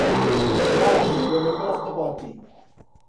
Marsh, a member of the party.